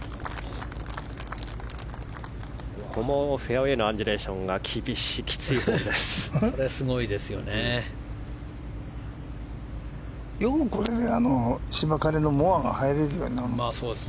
ここもフェアウェーのアンジュレーションが厳しいホールです。